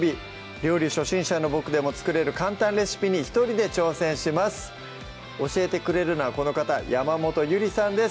料理初心者のボクでも作れる簡単レシピに一人で挑戦します教えてくれるのはこの方山本ゆりさんです